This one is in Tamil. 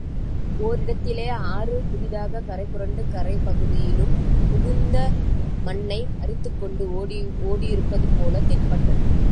ஓர் இடத்திலே ஆறு புதிதாகக் கரை புரண்டு கரைப் பகுதியிலும் புகுந்து மண்ணை அரித்துக்கொண்டு ஓடியிருப்பது போலத் தென்பட்டது.